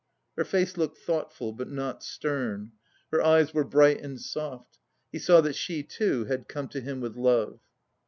Her face looked thoughtful but not stern. Her eyes were bright and soft. He saw that she too had come to him with love.